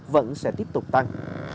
vẫn sẽ tiếp tục tăng